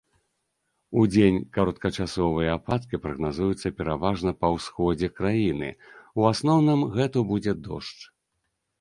Удзень кароткачасовыя ападкі прагназуюцца пераважна па ўсходзе краіны, у асноўным гэту будзе дождж.